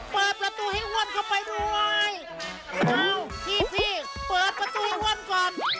เปิดประตูให้อ้วนเข้าไปด้วยอ้าวพี่สิเปิดประตูให้อ้วนก่อน